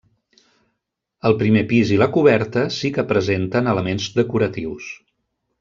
El primer pis i la coberta sí que presenten elements decoratius.